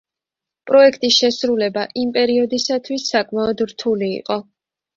პროექტის შესრულება იმ პერიოდისათვის საკმაოდ რთული იყო.